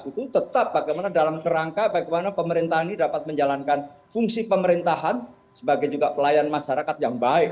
itu tetap bagaimana dalam kerangka bagaimana pemerintahan ini dapat menjalankan fungsi pemerintahan sebagai juga pelayan masyarakat yang baik